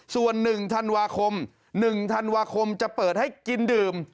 ส่วนหนึ่งธันวาคมหนึ่งธันวาคมจะเปิดให้กินดื่ม